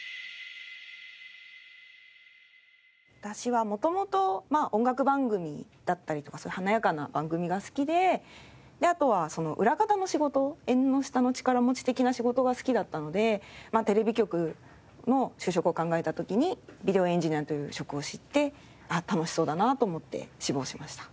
私は元々音楽番組だったりとかそういう華やかな番組が好きでであとは裏方の仕事縁の下の力持ち的な仕事が好きだったのでテレビ局の就職を考えた時にビデオエンジニアという職を知ってあっ楽しそうだなと思って志望しました。